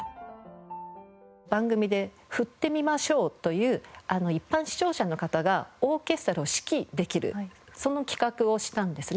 番組で「振ってみまＳＨＯＷ！」という一般視聴者の方がオーケストラを指揮できるその企画をしたんですね。